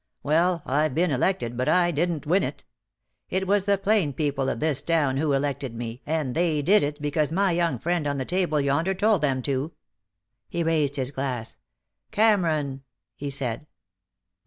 Well, I've been elected, but I didn't win it. It was the plain people of this town who elected me, and they did it because my young friend on the table yonder told them to." He raised his glass. "Cameron!" he said.